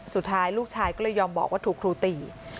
สุดท้ายลูกชายก็เลยยอมบอกว่าถูกครูตี